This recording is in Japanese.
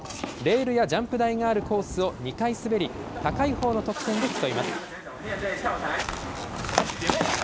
レールやジャンプ台があるコースを２回滑り、高いほうの得点で競います。